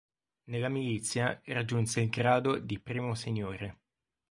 Nella Milizia raggiunse il grado di Primo seniore.